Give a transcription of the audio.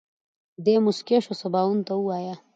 دی موسکی شو سباوون ته ووايه.